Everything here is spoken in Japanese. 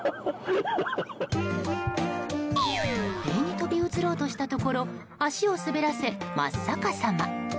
塀に飛び移ろうとしたところ足を滑らせ、真っ逆さま。